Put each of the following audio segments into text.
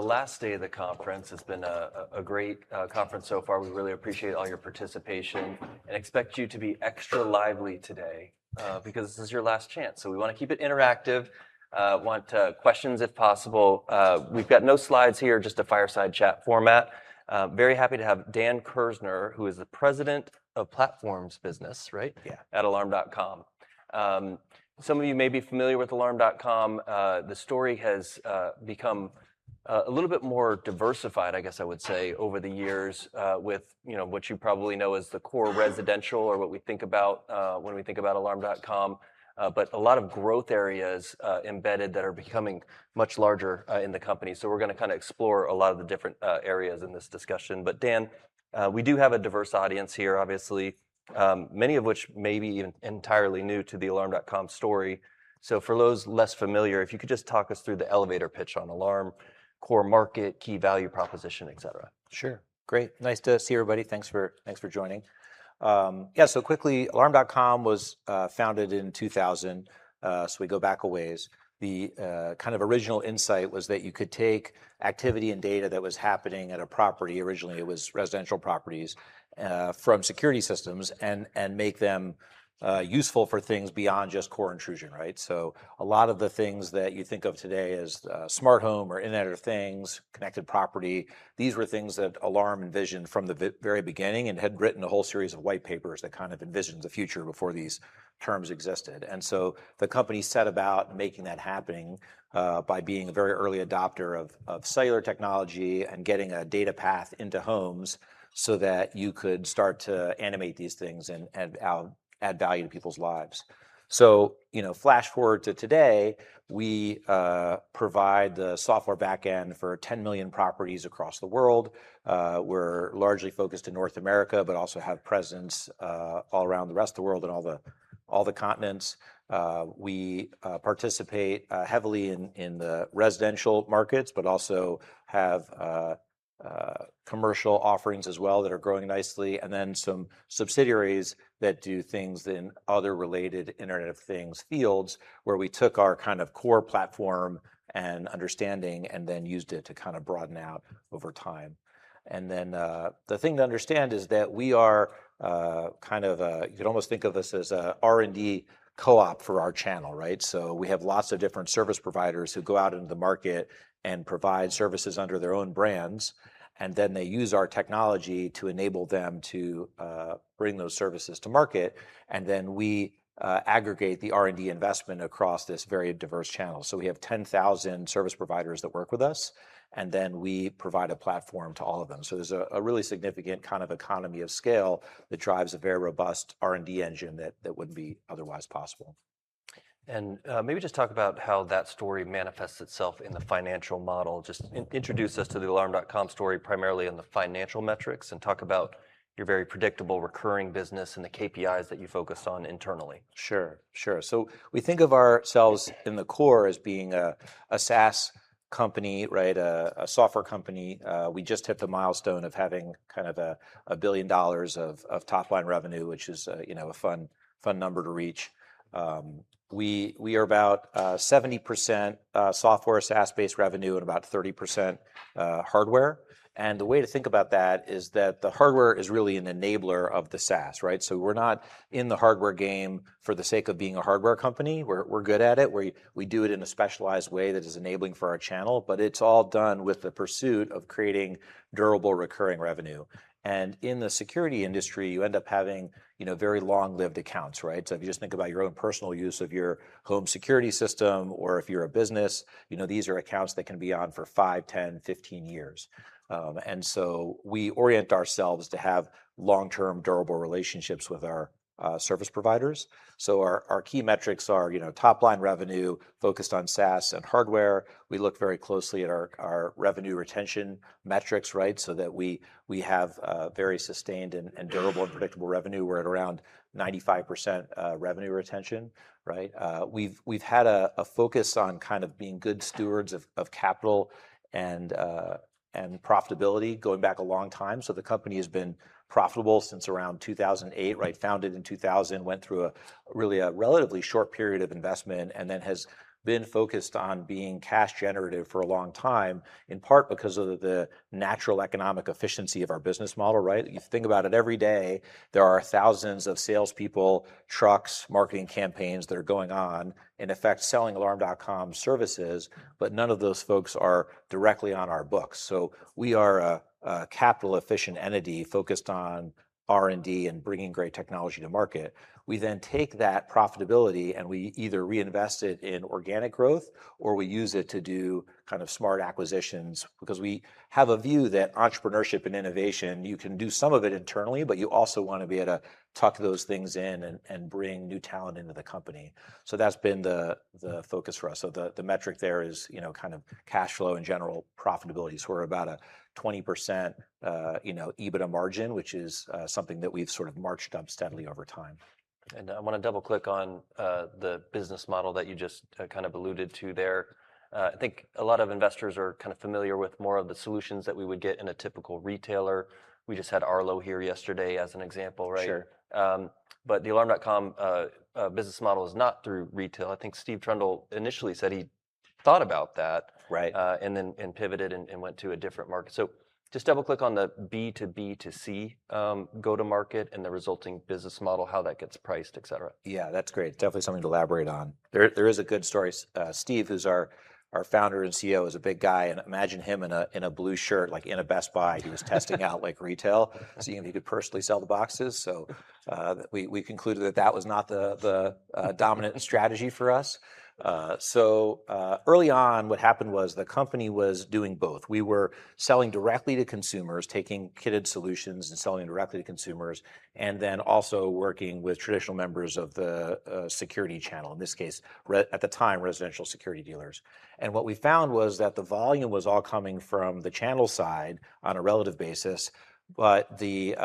The last day of the conference. It's been a great conference so far. We really appreciate all your participation and expect you to be extra lively today because this is your last chance, so we wanna keep it interactive, want questions if possible. We've got no slides here, just a fireside chat format. Very happy to have Daniel Kerzner, who is the President of Platforms Business, right? Yeah. At Alarm.com. Some of you may be familiar with Alarm.com. The story has become a little bit more diversified, I guess I would say, over the years, with, you know, what you probably know as the core residential or what we think about, when we think about Alarm.com. A lot of growth areas embedded that are becoming much larger in the company, so we're gonna kinda explore a lot of the different areas in this discussion. Dan, we do have a diverse audience here, obviously, many of which may be even entirely new to the Alarm.com story. For those less familiar, if you could just talk us through the elevator pitch on Alarm, core market, key value proposition, et cetera. Sure. Great. Nice to see everybody. Thanks for joining. Quickly, Alarm.com was founded in 2000, so we go back a ways. The kind of original insight was that you could take activity and data that was happening at a property, originally it was residential properties, from security systems and make them useful for things beyond just core intrusion, right? A lot of the things that you think of today as smart home or Internet of Things, connected property, these were things that Alarm envisioned from the very beginning and had written a whole series of white papers that kind of envisioned the future before these terms existed. The company set about making that happening by being a very early adopter of cellular technology and getting a data path into homes so that you could start to animate these things and add value to people's lives. You know, flash forward to today, we provide the software backend for 10 million properties across the world. We're largely focused in North America, but also have presence all around the rest of the world and all the continents. We participate heavily in the residential markets, but also have commercial offerings as well that are growing nicely, and then some subsidiaries that do things in other related Internet of Things fields where we took our kind of core platform and understanding and then used it to kind of broaden out over time. The thing to understand is that we are kind of a, you could almost think of us as a R&D co-op for our channel, right? We have lots of different service providers who go out into the market and provide services under their own brands, and then they use our technology to enable them to bring those services to market, and then we aggregate the R&D investment across this very diverse channel. We have 10,000 service providers that work with us, and then we provide a platform to all of them. There's a really significant kind of economy of scale that drives a very robust R&D engine that wouldn't be otherwise possible. Maybe just talk about how that story manifests itself in the financial model. Just introduce us to the Alarm.com story primarily in the financial metrics and talk about your very predictable recurring business and the KPIs that you focused on internally. Sure. Sure. We think of ourselves in the core as being a SaaS company, right? A software company. We just hit the milestone of having kind of $1 billion of top line revenue, which is, you know, a fun number to reach. We are about 70% software SaaS-based revenue and about 30% hardware. The way to think about that is that the hardware is really an enabler of the SaaS, right? We're not in the hardware game for the sake of being a hardware company. We're good at it. We do it in a specialized way that is enabling for our channel, but it's all done with the pursuit of creating durable recurring revenue. In the security industry, you end up having, you know, very long-lived accounts, right? If you just think about your own personal use of your home security system or if you're a business, you know, these are accounts that can be on for 5, 10, 15 years. We orient ourselves to have long-term durable relationships with our service providers. Our key metrics are, you know, top line revenue focused on SaaS and hardware. We look very closely at our revenue retention metrics, right? That we have very sustained and durable and predictable revenue. We're at around 95% revenue retention, right? We've had a focus on kind of being good stewards of capital and profitability going back a long time. The company has been profitable since around 2008. Right? Founded in 2000, went through a really relatively short period of investment, and then has been focused on being cash generative for a long time, in part because of the natural economic efficiency of our business model, right? You think about it every day, there are thousands of salespeople, trucks, marketing campaigns that are going on, in effect selling Alarm.com services, but none of those folks are directly on our books. We are a capital-efficient entity focused on R&D and bringing great technology to market. We take that profitability and we either reinvest it in organic growth or we use it to do kind of smart acquisitions 'cause we have a view that entrepreneurship and innovation, you can do some of it internally, but you also wanna be able to tuck those things in and bring new talent into the company. That's been the focus for us. The, the metric there is, you know, kind of cash flow and general profitability. We're about a 20%, you know, EBITDA margin, which is something that we've sort of marched up steadily over time. I want to double-click on the business model that you just kind of alluded to there. I think a lot of investors are kind of familiar with more of the solutions that we would get in a typical retailer. We just had Arlo here yesterday as an example, right? Sure. The Alarm.com business model is not through retail. I think Stephen Trundle initially said he thought about that. Right... then pivoted and went to a different market. Just double click on the B2B2C go-to market and the resulting business model, how that gets priced, et cetera. Yeah, that's great. Definitely something to elaborate on. There is a good story. Steve, who's our founder and CEO, is a big guy, and imagine him in a blue shirt, like, in a Best Buy. He was testing out, like, retail, seeing if he could personally sell the boxes. we concluded that that was not the dominant strategy for us. Early on, what happened was the company was doing both. We were selling directly to consumers, taking kitted solutions and selling directly to consumers, and then also working with traditional members of the security channel, in this case at the time, residential security dealers. What we found was that the volume was all coming from the channel side on a relative basis, but the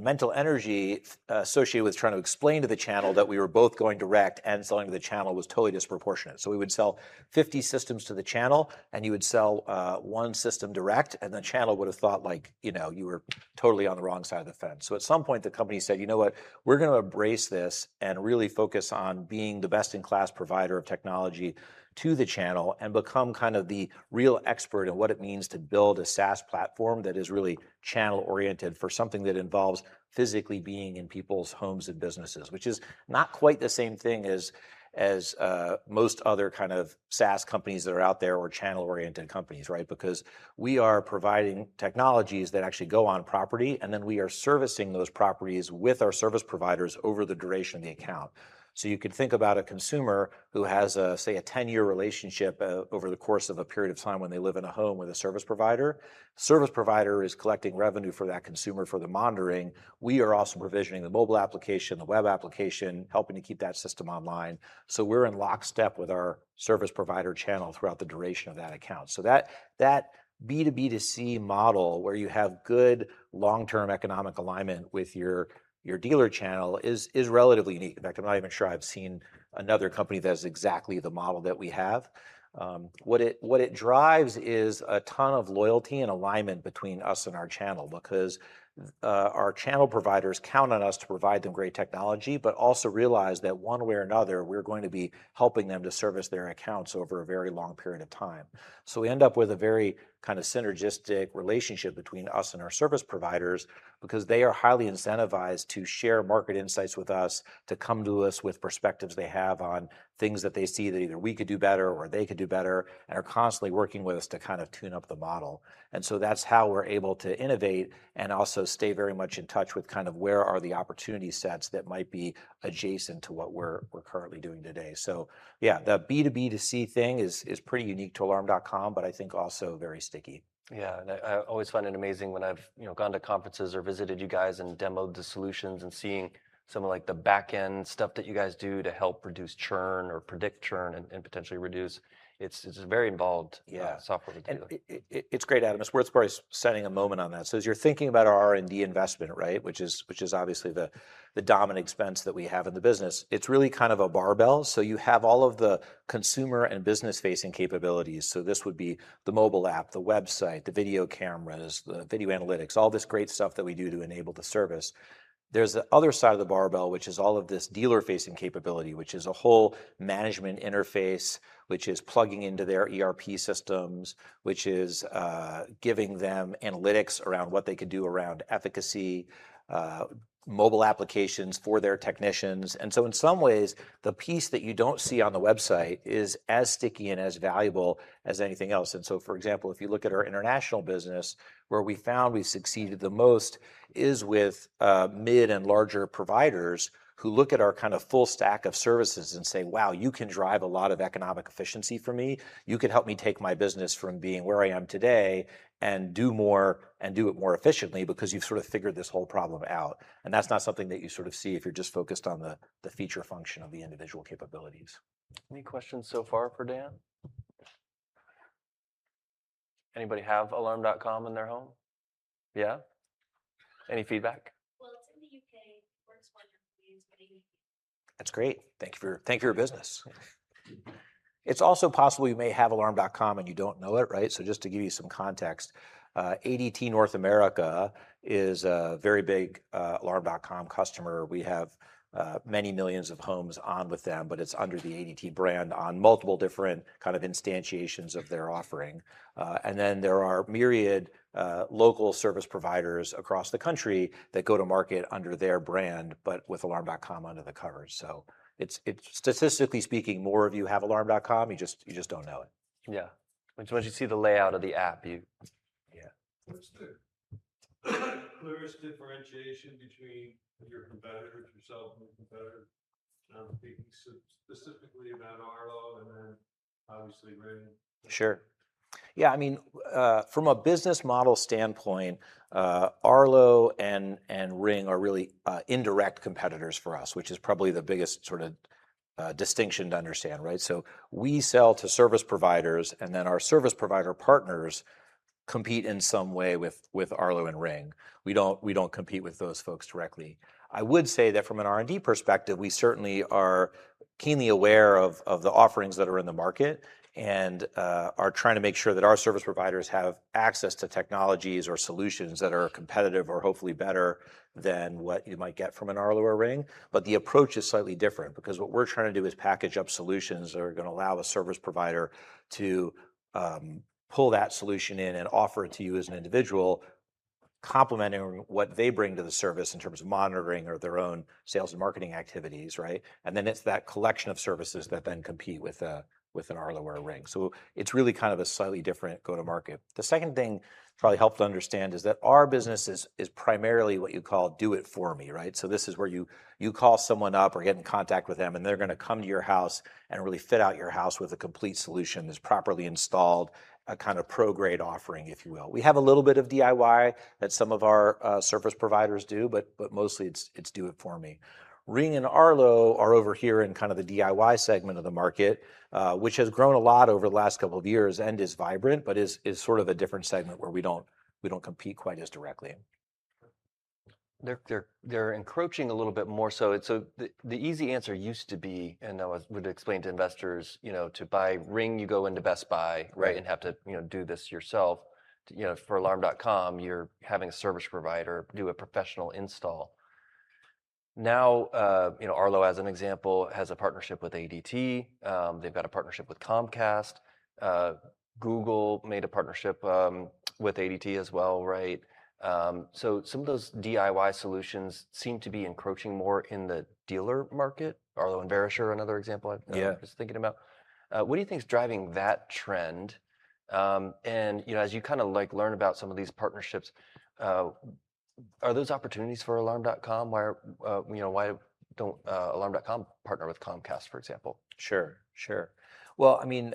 mental energy associated with trying to explain to the channel that we were both going direct and selling to the channel was totally disproportionate. We would sell 50 systems to the channel, and you would sell one system direct, and the channel would've thought, like, you know, you were totally on the wrong side of the fence. At some point the company said, "You know what? We're gonna embrace this and really focus on being the best in class provider of technology to the channel and become kind of the real expert in what it means to build a SaaS platform that is really channel oriented for something that involves physically being in people's homes and businesses, which is not quite the same thing as most other kind of SaaS companies that are out there or channel oriented companies, right? Because we are providing technologies that actually go on property, and then we are servicing those properties with our service providers over the duration of the account. You could think about a consumer who has a, say, a 10-year relationship over the course of a period of time when they live in a home with a service provider. Service provider is collecting revenue for that consumer for the monitoring. We are also provisioning the mobile application, the web application, helping to keep that system online. We're in lockstep with our service provider channel throughout the duration of that account. That B2B2C model where you have good long-term economic alignment with your dealer channel is relatively unique. In fact, I'm not even sure I've seen another company that has exactly the model that we have. What it drives is a ton of loyalty and alignment between us and our channel because our channel providers count on us to provide them great technology, but also realize that one way or another, we're going to be helping them to service their accounts over a very long period of time. We end up with a very kinda synergistic relationship between us and our service providers because they are highly incentivized to share market insights with us, to come to us with perspectives they have on things that they see that either we could do better or they could do better, and are constantly working with us to kind of tune up the model. That's how we're able to innovate and also stay very much in touch with kind of where are the opportunity sets that might be adjacent to what we're currently doing today. Yeah, the B2B2C thing is pretty unique to Alarm.com, but I think also very sticky. Yeah, I always find it amazing when I've, you know, gone to conferences or visited you guys and demoed the solutions and seeing some of, like, the backend stuff that you guys do to help reduce churn or predict churn and potentially reduce. Yeah... software to do it. It's great, Adam. It's worth probably spending a moment on that. As you're thinking about our R&D investment, right, which is obviously the dominant expense that we have in the business, it's really kind of a barbell. You have all of the consumer and business facing capabilities, so this would be the mobile app, the website, the video cameras, the video analytics, all this great stuff that we do to enable the service. There's the other side of the barbell, which is all of this dealer facing capability, which is a whole management interface, which is plugging into their ERP systems, which is giving them analytics around what they could do around efficacy, mobile applications for their technicians. In some ways, the piece that you don't see on the website is as sticky and as valuable as anything else. For example, if you look at our international business, where we found we've succeeded the most is with mid and larger providers who look at our kind of full stack of services and say, "Wow, you can drive a lot of economic efficiency for me. You could help me take my business from being where I am today and do more and do it more efficiently because you've sort of figured this whole problem out." That's not something that you sort of see if you're just focused on the feature function of the individual capabilities. Any questions so far for Dan? Anybody have Alarm.com in their home? Yeah. Any feedback? Well, it's in the U.K. Works wonderfully and it's very easy. That's great. Thank you for your business. It's also possible you may have Alarm.com and you don't know it, right? Just to give you some context, ADT North America is a very big Alarm.com customer. We have many millions of homes on with them, but it's under the ADT brand on multiple different kind of instantiations of their offering. There are myriad local service providers across the country that go to market under their brand, but with Alarm.com under the covers. It's statistically speaking, more of you have Alarm.com, you just don't know it. Yeah. Once you see the layout of the app. Yeah. What's the clearest differentiation between your competitors, yourself and the competitor? Thinking specifically about Arlo and then obviously Ring. Sure. Yeah, I mean, from a business model standpoint, Arlo and Ring are really indirect competitors for us, which is probably the biggest sorta distinction to understand, right? We sell to service providers, and then our service provider partners compete in some way with Arlo and Ring. We don't compete with those folks directly. I would say that from an R&D perspective, we certainly are keenly aware of the offerings that are in the market and are trying to make sure that our service providers have access to technologies or solutions that are competitive or hopefully better than what you might get from an Arlo or Ring. The approach is slightly different, because what we're trying to do is package up solutions that are gonna allow a service provider to pull that solution in and offer it to you as an individual. Complementing what they bring to the service in terms of monitoring or their own sales and marketing activities, right? It's that collection of services that compete with an Arlo or a Ring. It's really kind of a slightly different go to market. The second thing probably help to understand is that our business is primarily what you call do it for me, right? This is where you call someone up or get in contact with them and they're gonna come to your house and really fit out your house with a complete solution that's properly installed, a kind of pro grade offering, if you will. We have a little bit of DIY that some of our service providers do, but mostly it's do it for me. Ring and Arlo are over here in kind of the DIY segment of the market, which has grown a lot over the last couple of years and is vibrant, but is sort of a different segment where we don't compete quite as directly. They're encroaching a little bit more so, and so the easy answer used to be, and I would explain to investors, you know, to buy Ring you go into Best Buy. Right... and have to, you know, do this yourself. You know, for Alarm.com, you're having a service provider do a professional install. You know, Arlo as an example, has a partnership with ADT. They've got a partnership with Comcast. Google made a partnership with ADT as well, right? Some of those DIY solutions seem to be encroaching more in the dealer market. Arlo and Verisure are another example. Yeah... I'm just thinking about. What do you think is driving that trend? You know, as you kinda like learn about some of these partnerships, are those opportunities for Alarm.com? Why, you know, why don't Alarm.com partner with Comcast, for example? Sure. Well, I mean,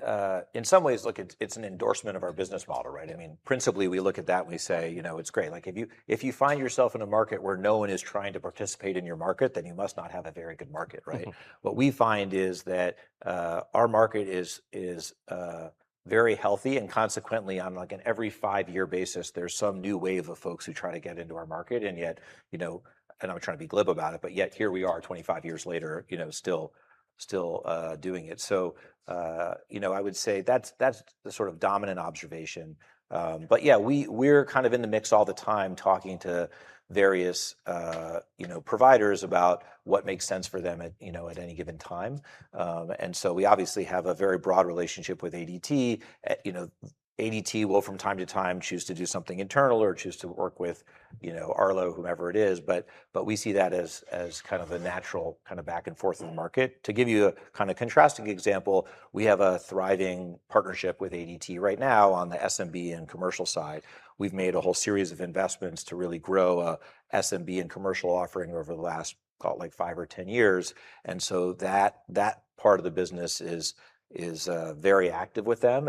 in some ways, look, it's an endorsement of our business model, right? I mean, principally, we look at that and we say, you know, it's great. Like, if you find yourself in a market where no one is trying to participate in your market, then you must not have a very good market, right? What we find is that our market is very healthy, and consequently, on like an every five-year basis, there's some new wave of folks who try to get into our market. Yet, you know, and I'm trying to be glib about it, but yet here we are 25 years later, you know, still doing it. You know, I would say that's the sort of dominant observation. Yeah, we're kind of in the mix all the time talking to various, you know, providers about what makes sense for them at, you know, at any given time. We obviously have a very broad relationship with ADT. You know, ADT will from time to time choose to do something internal or choose to work with, you know, Arlo, whomever it is. We see that as kind of a natural kinda back and forth in the market. To give you a kinda contrasting example, we have a thriving partnership with ADT right now on the SMB and commercial side. We've made a whole series of investments to really grow a SMB and commercial offering over the last, call it like 5 or 10 years. That part of the business is very active with them.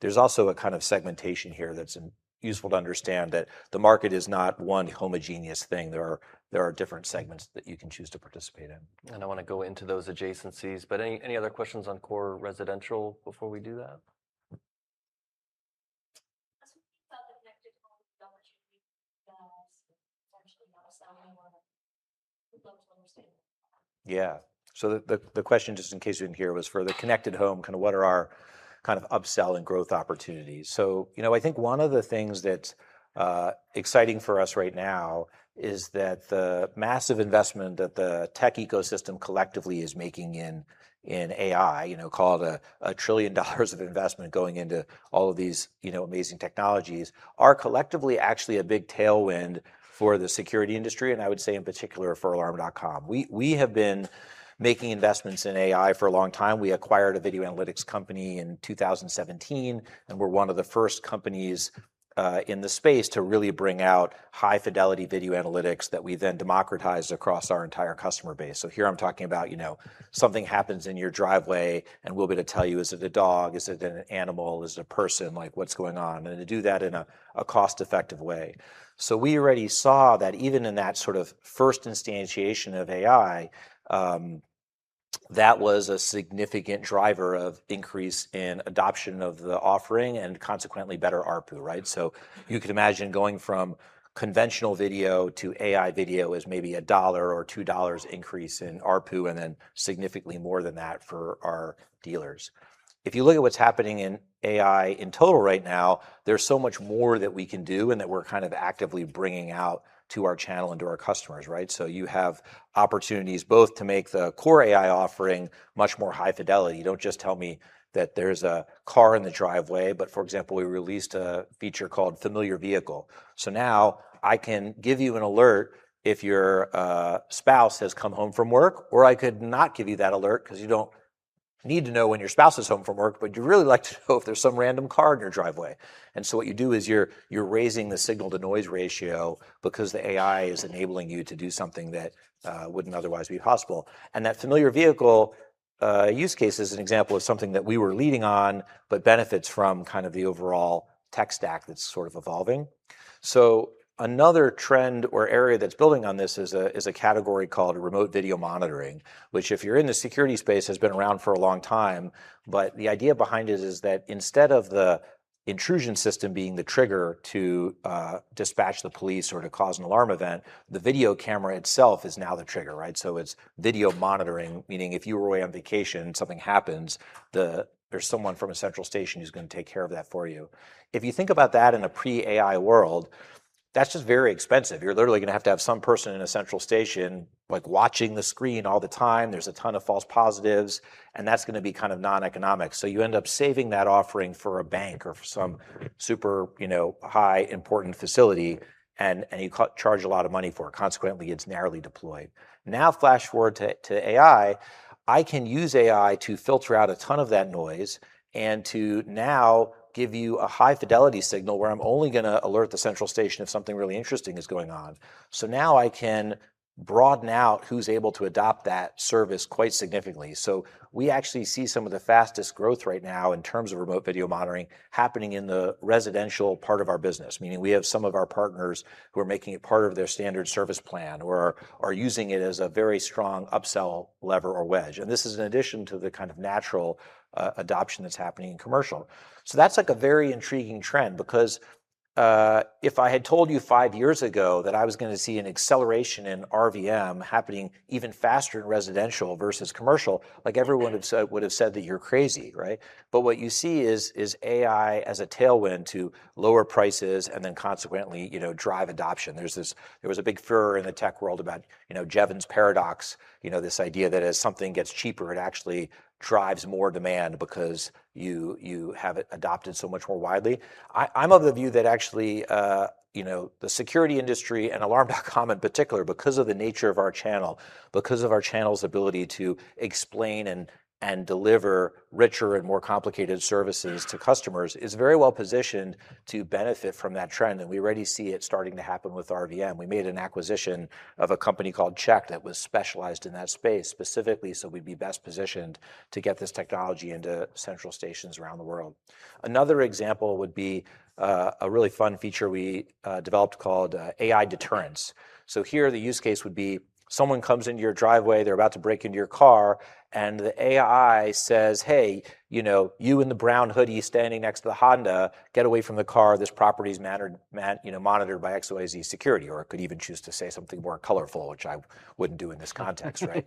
There's also a kind of segmentation here that's useful to understand that the market is not one homogeneous thing. There are different segments that you can choose to participate in. I wanna go into those adjacencies, but any other questions on core residential before we do that? As we think about the connected home opportunity, potentially upselling or Yeah. The question, just in case you didn't hear, was for the connected home, kinda what are our kind of upsell and growth opportunities. You know, I think one of the things that's exciting for us right now is that the massive investment that the tech ecosystem collectively is making in AI, you know, call it a $1 trillion of investment going into all of these, you know, amazing technologies, are collectively actually a big tailwind for the security industry, and I would say in particular for Alarm.com. We have been making investments in AI for a long time. We acquired a video analytics company in 2017, and we're one of the first companies in the space to really bring out high fidelity video analytics that we then democratized across our entire customer base. Here I'm talking about, you know, something happens in your driveway, and we'll be able to tell you, is it a dog, is it an animal, is it a person? Like, what's going on? To do that in a cost-effective way. We already saw that even in that sort of first instantiation of AI, that was a significant driver of increase in adoption of the offering and consequently better ARPU, right? You could imagine going from conventional video to AI video is maybe a $1 or $2 increase in ARPU and then significantly more than that for our dealers. If you look at what's happening in AI in total right now, there's so much more that we can do and that we're kind of actively bringing out to our channel and to our customers, right? You have opportunities both to make the core AI offering much more high fidelity. Don't just tell me that there's a car in the driveway, but for example, we released a feature called Familiar Vehicle. So now I can give you an alert if your spouse has come home from work, or I could not give you that alert 'cause you don't need to know when your spouse is home from work, but you'd really like to know if there's some random car in your driveway. What you do is you're raising the signal-to-noise ratio because the AI is enabling you to do something that wouldn't otherwise be possible. That Familiar Vehicle use case is an example of something that we were leading on, but benefits from kind of the overall tech stack that's sort of evolving. Another trend or area that's building on this is a category called remote video monitoring, which if you're in the security space, has been around for a long time, but the idea behind it is that instead of the intrusion system being the trigger to dispatch the police or to cause an alarm event, the video camera itself is now the trigger, right? It's video monitoring, meaning if you were away on vacation and something happens, there's someone from a central station who's gonna take care of that for you. If you think about that in a pre-AI world. That's just very expensive. You're literally gonna have to have some person in a central station like watching the screen all the time. There's a ton of false positives, and that's gonna be kind of non-economic. You end up saving that offering for a bank or for some super, you know, high important facility, and you charge a lot of money for it. Consequently, it's narrowly deployed. Flash forward to AI, I can use AI to filter out a ton of that noise and to now give you a high fidelity signal where I'm only gonna alert the central station if something really interesting is going on. Now I can broaden out who's able to adopt that service quite significantly. We actually see some of the fastest growth right now in terms of remote video monitoring happening in the residential part of our business, meaning we have some of our partners who are making it part of their standard service plan or are using it as a very strong upsell lever or wedge. This is in addition to the kind of natural adoption that's happening in commercial. That's like a very intriguing trend because if I had told you five years ago that I was gonna see an acceleration in RVM happening even faster in residential versus commercial, like everyone would have said that you're crazy, right? What you see is AI as a tailwind to lower prices and consequently, you know, drive adoption. There was a big furor in the tech world about, you know, Jevons paradox, you know, this idea that as something gets cheaper, it actually drives more demand because you have it adopted so much more widely. I'm of the view that actually, you know, the security industry and Alarm.com in particular, because of the nature of our channel, because of our channel's ability to explain and deliver richer and more complicated services to customers, is very well positioned to benefit from that trend. We already see it starting to happen with RVM. We made an acquisition of a company called CHeKT that was specialized in that space specifically, so we'd be best positioned to get this technology into central stations around the world. Another example would be a really fun feature we developed called AI Deterrence. Here the use case would be someone comes into your driveway, they're about to break into your car, and the AI says, "Hey, you know, you in the brown hoodie standing next to the Honda, get away from the car. This property is you know, monitored by XYZ Security. It could even choose to say something more colorful, which I wouldn't do in this context, right?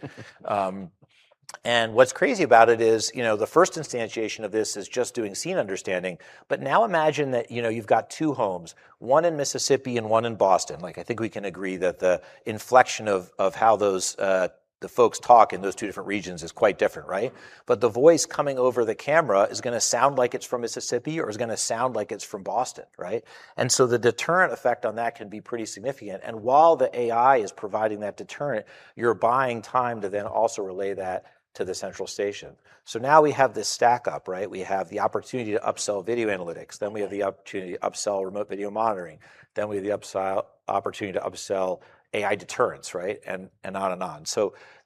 What's crazy about it is, you know, the first instantiation of this is just doing scene understanding. Now imagine that, you know, you've got two homes, one in Mississippi and one in Boston. Like, I think we can agree that the inflection of how those the folks talk in those two different regions is quite different, right? The voice coming over the camera is gonna sound like it's from Mississippi, or it's gonna sound like it's from Boston, right? The deterrent effect on that can be pretty significant. While the AI is providing that deterrent, you're buying time to then also relay that to the central station. Now we have this stack up, right? We have the opportunity to upsell video analytics, then we have the opportunity to upsell remote video monitoring, then we have the opportunity to upsell AI Deterrence, right? On and on.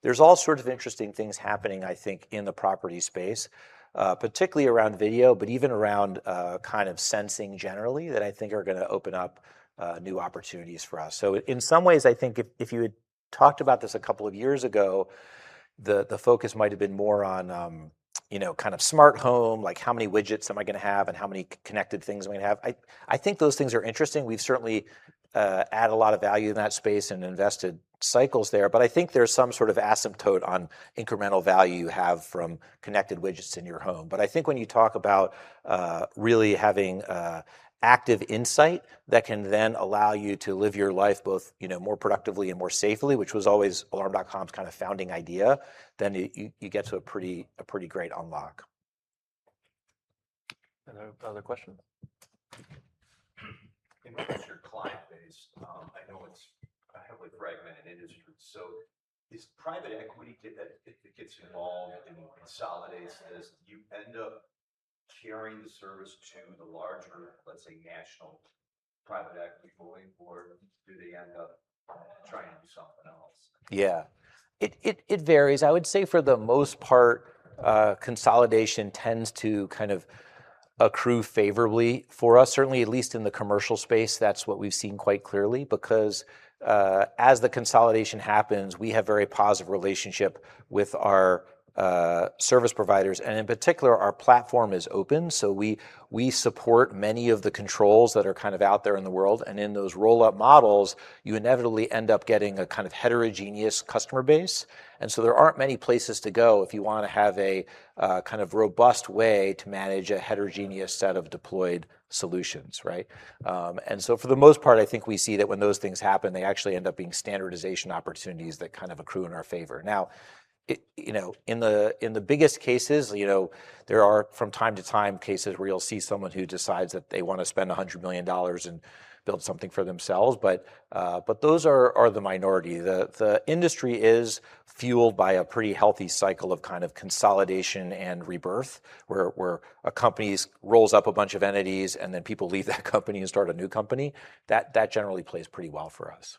There's all sorts of interesting things happening, I think, in the property space, particularly around video, but even around kind of sensing generally that I think are gonna open up new opportunities for us. In some ways, I think if you had talked about this a couple of years ago, the focus might have been more on, you know, kind of smart home, like how many widgets am I gonna have and how many connected things am I gonna have. I think those things are interesting. We've certainly, add a lot of value in that space and invested cycles there, but I think there's some sort of asymptote on incremental value you have from connected widgets in your home. I think when you talk about, really having, active insight that can then allow you to live your life both, you know, more productively and more safely, which was always Alarm.com's kind of founding idea, then you get to a pretty great unlock. Any other questions? In terms of your client base, I know it's a heavily fragmented industry, so is private equity it gets involved and consolidates this, do you end up carrying the service to the larger, let's say, national private equity holding, or do they end up trying to do something else? Yeah. It varies. I would say for the most part, consolidation tends to kind of accrue favorably for us. Certainly, at least in the commercial space, that's what we've seen quite clearly because, as the consolidation happens, we have very positive relationship with our service providers, and in particular, our platform is open, so we support many of the controls that are kind of out there in the world. In those roll-up models, you inevitably end up getting a kind of heterogeneous customer base. There aren't many places to go if you wanna have a kind of robust way to manage a heterogeneous set of deployed solutions, right? For the most part, I think we see that when those things happen, they actually end up being standardization opportunities that kind of accrue in our favor. It, you know, in the, in the biggest cases, you know, there are from time to time cases where you'll see someone who decides that they wanna spend $100 million and build something for themselves, but those are the minority. The industry is fueled by a pretty healthy cycle of kind of consolidation and rebirth, where a company rolls up a bunch of entities, and then people leave that company and start a new company. That generally plays pretty well for us.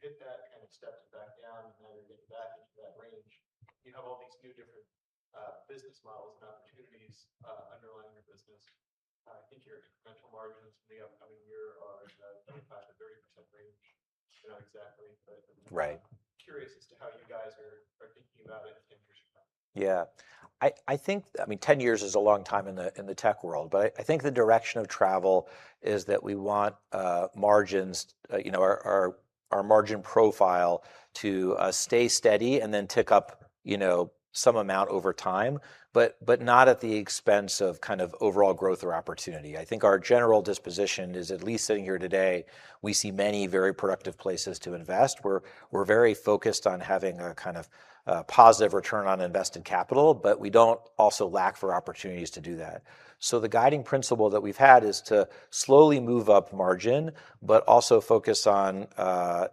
How has Alarm.com thinking about long-term margin targets these days? I think historically they had a 20%-25% margin target on good job. You hit that and it steps it back down, and then you're getting back into that range. You have all these new different business models and opportunities underlying your business. I think your incremental margins for the upcoming year are 25%-30% range. You know, exactly. Right curious. Are thinking about it in future. I think, I mean, 10 years is a long time in the tech world, I think the direction of travel is that we want margins, you know, our margin profile to stay steady and then tick up, you know, some amount over time. Not at the expense of kind of overall growth or opportunity. I think our general disposition is, at least sitting here today, we see many very productive places to invest. We're very focused on having a kind of positive return on invested capital, we don't also lack for opportunities to do that. The guiding principle that we've had is to slowly move up margin, but also focus on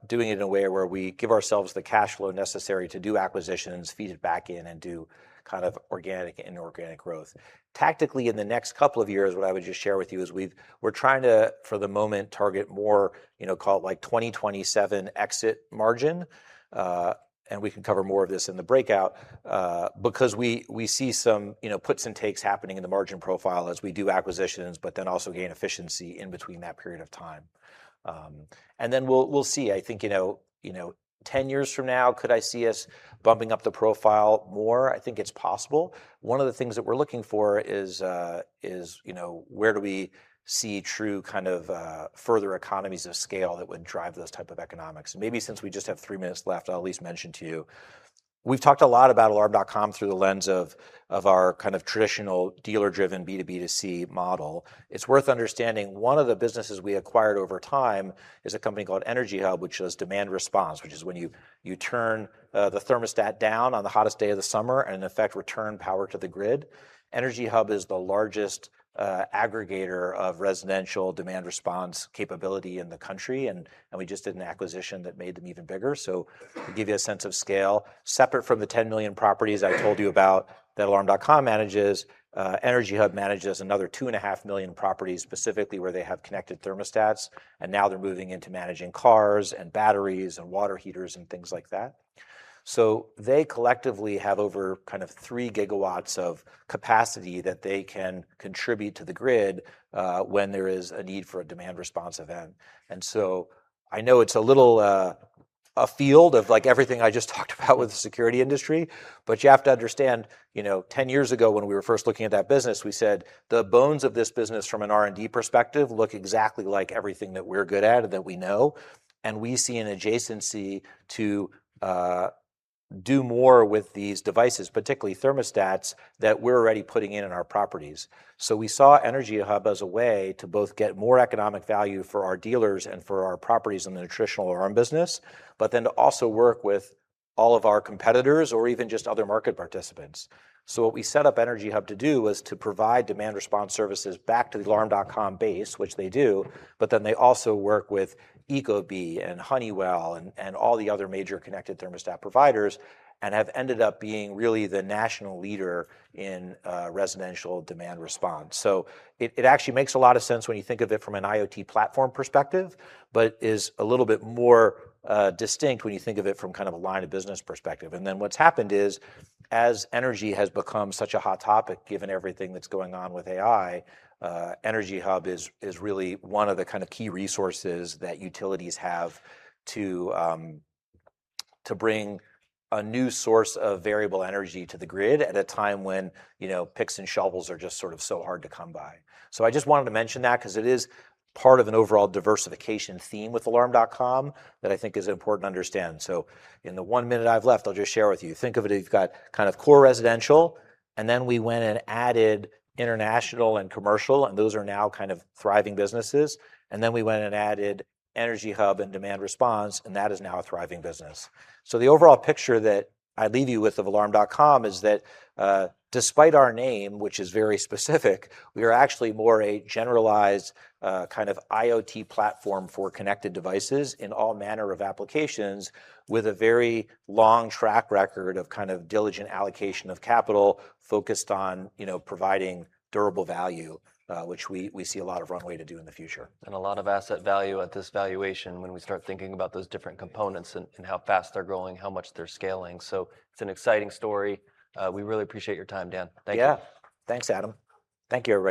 doing it in a way where we give ourselves the cash flow necessary to do acquisitions, feed it back in, and do kind of organic and inorganic growth. Tactically, in the next couple of years, what I would just share with you is we're trying to, for the moment, target more, you know, call it like 2027 exit margin. Because we see some, you know, puts and takes happening in the margin profile as we do acquisitions, but then also gain efficiency in between that period of time. We'll see. I think, you know, 10 years from now, could I see us bumping up the profile more? I think it's possible. One of the things that we're looking for is, you know, where do we see true kind of, further economies of scale that would drive those type of economics? Maybe since we just have 3 minutes left, I'll at least mention to you, we've talked a lot about Alarm.com through the lens of our kind of traditional dealer-driven B2B2C model. It's worth understanding one of the businesses we acquired over time is a company called EnergyHub, which does demand response, which is when you turn the thermostat down on the hottest day of the summer and in effect, return power to the grid. EnergyHub is the largest aggregator of residential demand response capability in the country, and we just did an acquisition that made them even bigger. To give you a sense of scale, separate from the 10 million properties I told you about that Alarm.com manages, EnergyHub manages another 2.5 million properties specifically where they have connected thermostats, and now they're moving into managing cars and batteries and water heaters and things like that. They collectively have over kind of 3 gigawatts of capacity that they can contribute to the grid when there is a need for a demand response event. I know it's a little afield of like everything I just talked about with the security industry, but you have to understand, you know, 10 years ago when we were first looking at that business, we said the bones of this business from an R&D perspective look exactly like everything that we're good at and that we know, and we see an adjacency to do more with these devices, particularly thermostats, that we're already putting in our properties. We saw EnergyHub as a way to both get more economic value for our dealers and for our properties in the traditional alarm business, to also work with all of our competitors or even just other market participants. What we set up EnergyHub to do was to provide demand response services back to the Alarm.com base, which they do, but then they also work with ecobee and Honeywell and all the other major connected thermostat providers and have ended up being really the national leader in residential demand response. It, it actually makes a lot of sense when you think of it from an IoT platform perspective, but is a little bit more distinct when you think of it from kind of a line of business perspective. What's happened is as energy has become such a hot topic given everything that's going on with AI, EnergyHub is really one of the kind of key resources that utilities have to bring a new source of variable energy to the grid at a time when, you know, picks and shovels are just sort of so hard to come by. I just wanted to mention that 'cause it is part of an overall diversification theme with Alarm.com that I think is important to understand. In the 1 minute I've left, I'll just share with you. Think of it, you've got kind of core residential, and then we went and added international and commercial, and those are now kind of thriving businesses. We went and added EnergyHub and demand response, and that is now a thriving business. The overall picture that I leave you with of Alarm.com is that, despite our name, which is very specific, we are actually more a generalized, kind of IoT platform for connected devices in all manner of applications with a very long track record of kind of diligent allocation of capital focused on, you know, providing durable value, which we see a lot of runway to do in the future. A lot of asset value at this valuation when we start thinking about those different components and how fast they're growing, how much they're scaling. It's an exciting story. We really appreciate your time, Dan. Thank you. Yeah. Thanks, Adam. Thank you, everybody.